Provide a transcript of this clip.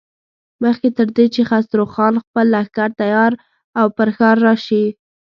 مخکې تر دې چې خسرو خان خپل لښکر تيار او پر ښار راشي.